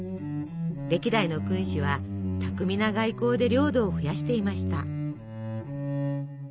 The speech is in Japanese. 歴代の君主は巧みな外交で領土を増やしていました。